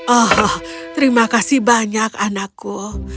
oh terima kasih banyak anakku